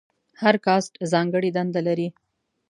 هر کاسټ ځانګړې دنده لرله.